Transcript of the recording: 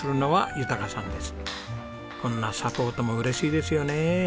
こんなサポートも嬉しいですよね。